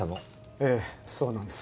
ええそうなんです。